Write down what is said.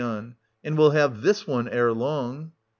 And will have this one ere long.